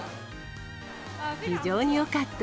非常によかった。